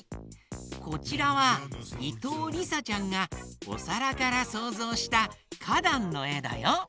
こちらはいとうりさちゃんが「おさら」からそうぞうしたかだんのえだよ！